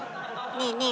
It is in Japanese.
ねえねえ